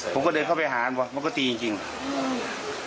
ผมก็เดินเข้าไปหาบอกมันก็ตีจริงจริงอืม